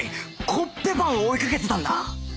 コッペパンを追いかけてたんだ